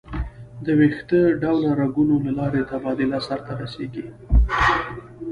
د ویښته ډوله رګونو له لارې تبادله سر ته رسېږي.